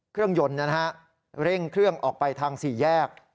เครื่องยนต์เร่งเครื่องออกไปทางสี่แยก